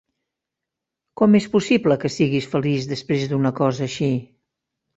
Com és possible que siguis feliç desprès d'una cosa així?